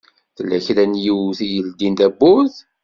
Tella kra n yiwet i yeldin tawwurt.